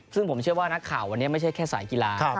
ซึ่งผมเชื่อว่านักข่าววันนี้ไม่ใช่แค่สายกีฬา